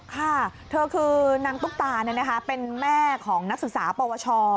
ค่ะเธอคือนางตุ๊กตาเป็นแม่ของนักศึกษาปวช